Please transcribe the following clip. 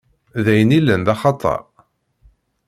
D ayen illan d axatar?